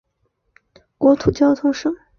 负责的政府机构为国土交通省。